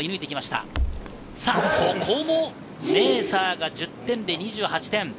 ここもメーサーが１０点で２８点。